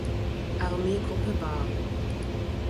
Armeegruppe war.